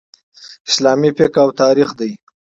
اسلامي فقه او تاریخ دئ.